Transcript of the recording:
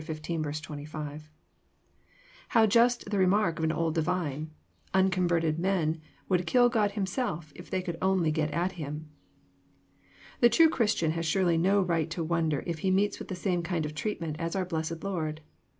How just the remark of an old divine :" Unco& verted men would kill God Himself if they could only gew at Him.'* The true Christian has surely no right to wonder if he meets with the same kind of treatment as our blessed Lord.